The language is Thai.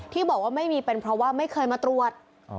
ที่บอกว่าไม่มีเป็นเพราะว่าไม่เคยมาตรวจ